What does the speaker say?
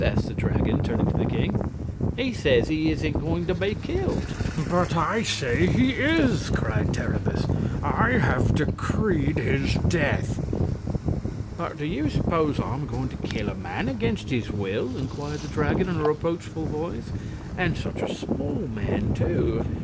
asked the Dragon, turning to the king; "he says he isn't going to be killed." "But I say he is!" cried Terribus. "I have decreed his death." "But do you suppose I'm going to kill a man against his will?" inquired the Dragon, in a reproachful voice; "and such a small man, too!